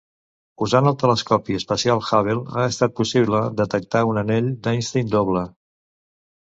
Usant el Telescopi espacial Hubble ha estat possible detectar un anell d'Einstein doble.